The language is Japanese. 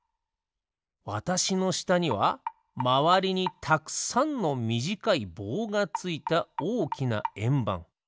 わたしのしたにはまわりにたくさんのみじかいぼうがついたおおきなえんばん。